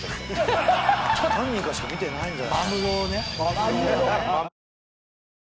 何人かしか見てないんじゃ。